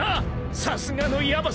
［さすがのヤバさだべ］